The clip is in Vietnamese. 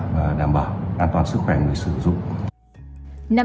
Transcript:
và đảm bảo an toàn sức khỏe người sử dụng